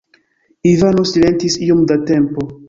Ivano silentis iom da tempo.